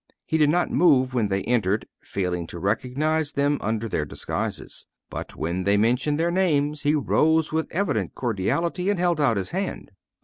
He did not move when they entered, failing to recognize them under their disguises. But when they mentioned their names, he rose with evident cordiality, and held out his hand.